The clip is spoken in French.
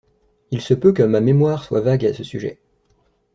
Il se peut que ma mémoire soit vague à ce sujet.